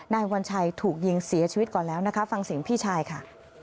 นายวัญชัยถูกยิงเสียชีวิตก่อนแล้วนะคะฟังเสียงพี่ชายค่ะ